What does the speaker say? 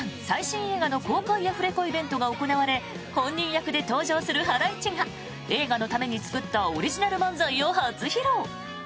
最新映画の公開アフレコイベントが行われ本人役で登場するハライチが映画のために作ったオリジナル漫才を初披露。